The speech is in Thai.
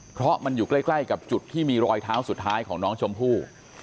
เพราะมันอยู่ใกล้กับจุดที่มีรอยเท้าสุดท้ายของน้องชมพู่